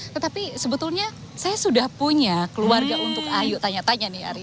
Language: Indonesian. tetapi sebetulnya saya sudah punya keluarga untuk ayo tanya tanya nih ari